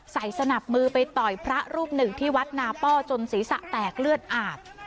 สนับมือไปต่อยพระรูปหนึ่งที่วัดนาป้อจนศีรษะแตกเลือดอาบ